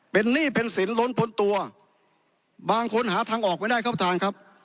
เป็นหนี้เป็นศิลป์ล้นพลตัวบางคนหาทางออกไม่ได้เข้าทางครับ